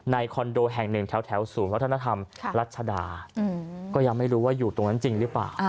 คอนโดแห่งหนึ่งแถวศูนย์วัฒนธรรมรัชดาก็ยังไม่รู้ว่าอยู่ตรงนั้นจริงหรือเปล่า